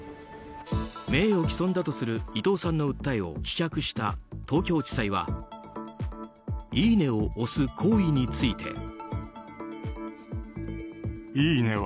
名誉毀損だとする伊藤さんの訴えを棄却した東京地裁はいいねを押す行為について。